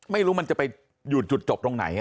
ไม่รู้มันจะไปอยู่จุดจบตรงไหน